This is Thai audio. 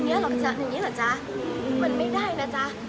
เดี๋ยวนี้หรอจ๊ะมันไม่ได้นะจ๊ะ